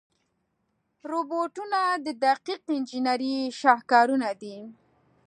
روبوټونه د دقیق انجنیري شاهکارونه دي.